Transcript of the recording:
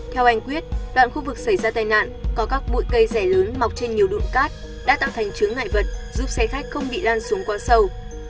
theo anh quyết đoạn khu vực xảy ra tai nạn có các bụi cây rẻ lớn mọc trên nhiều đụn cát đã tạo thành chứa ngại vật giúp xe khách không bị lan xuống qua sâu